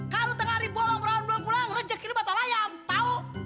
kalo tengah hari bolong perawan belum pulang rejeki lu batal layam tau